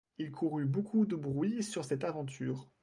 Il courut beaucoup de bruits sur cette aventure.